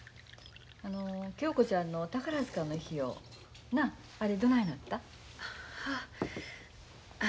あの恭子ちゃんの宝塚の費用なああれどないなった？はあ。